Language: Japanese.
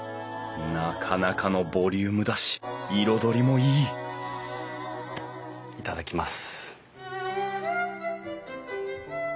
なかなかのボリュームだし彩りもいい頂きます。